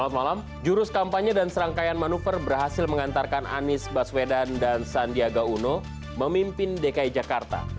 selamat malam jurus kampanye dan serangkaian manuver berhasil mengantarkan anies baswedan dan sandiaga uno memimpin dki jakarta